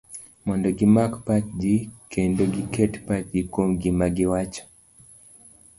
mondo gimak pach ji, kendo giket pachgi kuom gima negiwacho